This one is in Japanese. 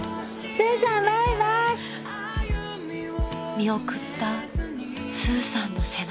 ［見送ったスーさんの背中］